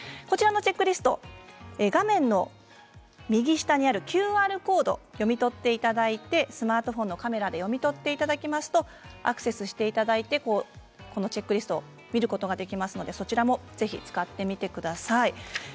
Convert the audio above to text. こちらは画面の右下にあるＱＲコードでも読み取っていただいてスマートフォンのカメラで読み取っていただくますとアクセスしていただいてこのチェックリストを見ることができますのでそちらもぜひ使ってみてください。